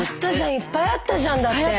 いっぱいあったじゃんだって。